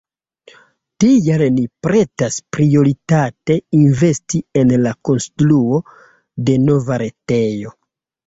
Tial ni pretas prioritate investi en la konstruo de nova retejo.